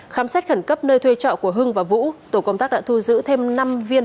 khám xét khẩn cấp nơi thuê trọ của hưng và vũ tổ công tác đã thu giữ thêm năm viên